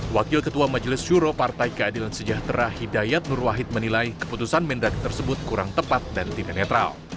wakil ketua majelis juro partai keadilan sejahtera hidayat nur wahid menilai keputusan mendagri tersebut kurang tepat dan tidak netral